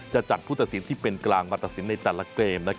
จะจัดผู้ตัดสินที่เป็นกลางมาตัดสินในแต่ละเกม